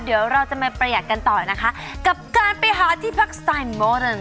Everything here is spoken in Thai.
เดี๋ยวเราจะมาประหยัดกันต่อนะคะกับการไปหาที่พักสไตล์โมเริน